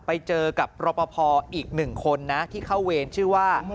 ไปเจอกับรอปภอีกหนึ่งคนนะที่เข้าเวรชื่อว่า